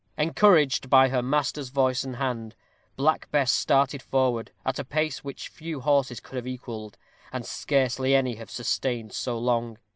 Encouraged by her master's voice and hand, Black Bess started forward at a pace which few horses could have equalled, and scarcely any have sustained so long.